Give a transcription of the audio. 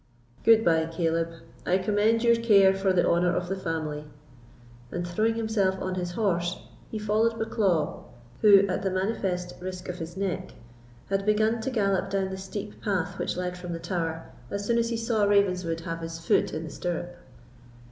"Good bye, Caleb; I commend your care for the honour of the family." And, throwing himself on his horse, he followed Bucklaw, who, at the manifest risk of his neck, had begun to gallop down the steep path which led from the Tower as soon as he saw Ravenswood have his foot in the stirrup.